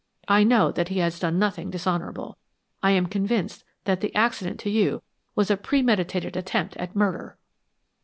I know that he has done nothing dishonorable; I am convinced that the accident to you was a premeditated attempt at murder."